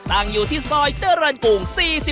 ตั้งอยู่ที่ซอยเจอรันกุ่ง๔๕